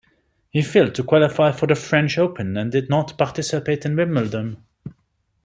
He failed to qualify for the French Open and did not participate in Wimbledon.